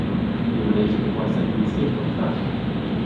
El manegia che quei seigi in sempel crap.